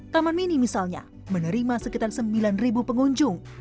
taman mini misalnya menerima sekitar sembilan pengunjung